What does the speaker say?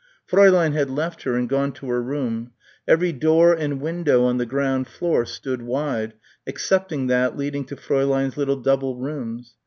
Fräulein had left her and gone to her room. Every door and window on the ground floor stood wide excepting that leading to Fräulein's little double rooms.